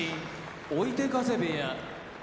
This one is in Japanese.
追手風部屋